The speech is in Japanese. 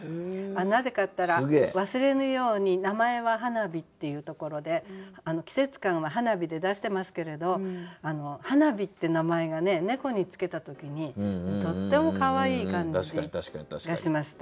なぜかと言ったら「忘れぬように名前ははなび」っていうところで季節感は「はなび」で出してますけれど「はなび」って名前が猫に付けた時にとってもかわいい感じがしました。